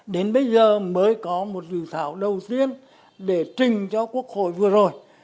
đến bây giờ mới có một dự thảo đầu tiên để trình cho quốc hội vừa rồi